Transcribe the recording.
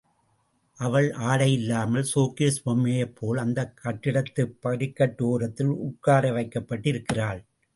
அவள் ஆடையில்லாமல் ஷோகேஸ் பொம்மையைப் போல் அந்தக் கட்டிடத்துப் படிக்கட்டு ஓரத்தில் உட்கார வைக்கப்பட்டு இருக்கிறாள்.